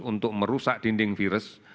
untuk merusak dinding virus